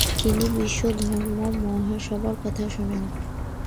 তিনি বিশ্বধর্ম মহাসভার কথা শোনেন।